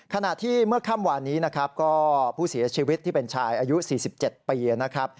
ขณะที่เมื่อค่ำวานนี้นะครับก็ผู้เสียชีวิตที่เป็นชายอายุ๔๗ปีนะครับ